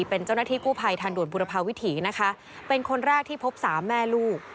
เป็นเจ้าหน้าที่กู้ภัยทางด่วนบุรพาวิถีนะคะเป็นคนแรกที่พบสามแม่ลูก